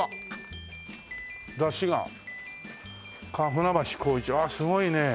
「舟橋功一」ああすごいねえ。